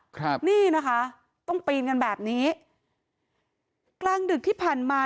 ครับนี่นะคะต้องปีนกันแบบนี้กลางดึกที่ผ่านมา